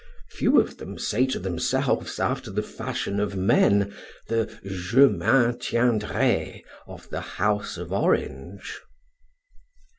Few of them say to themselves, after the fashion of men, the "Je Maintiendrai," of the House of Orange.